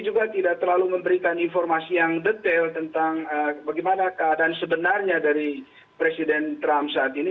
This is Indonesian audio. juga tidak terlalu memberikan informasi yang detail tentang bagaimana keadaan sebenarnya dari presiden trump saat ini